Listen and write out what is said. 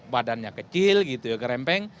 badannya kecil gitu ya gerempeng